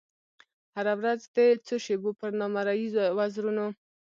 هره ورځ د څو شېبو پر نامریي وزرونو